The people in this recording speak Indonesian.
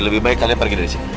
lebih baik kalian pergi dari sini